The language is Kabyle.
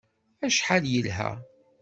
Acḥal yelha!